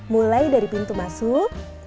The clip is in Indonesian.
mulai dari pintu masuk